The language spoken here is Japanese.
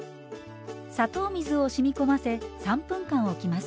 砂糖水をしみ込ませ３分間おきます。